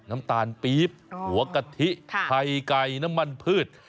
น้ำตาลปี๊บหัวกะทิไข่ไก่น้ำมันพืช